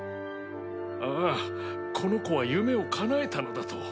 ああこの子は夢をかなえたのだと。